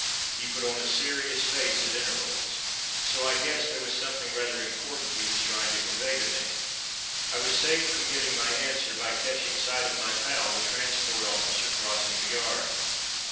He put on a serious face at intervals, so I guessed there was something rather important he was trying to convey to me. I was saved from giving my answer by catching sight of my pal, the transport officer, crossing the yard.